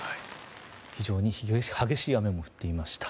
非常に激しい雨も降っていました。